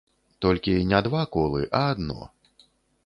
Толькі не два колы, а адно.